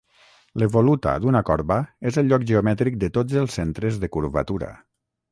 L'evoluta d'una corba és el lloc geomètric de tots els centres de curvatura.